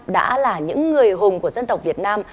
đã là những người hùng của dân tộc việt nam